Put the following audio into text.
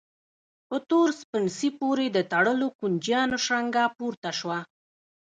په تور سپڼسي پورې د تړلو کونجيانو شرنګا پورته شوه.